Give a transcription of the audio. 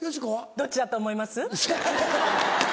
どっちだと思います？